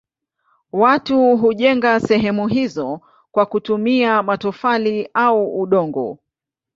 Watu hujenga sehemu hizo kwa kutumia matofali au udongo.